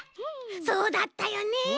そうだったよね。